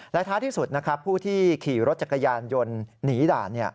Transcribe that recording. และท้ายที่สุดนะครับผู้ที่ขี่รถจักรยานยนต์หนีด่าน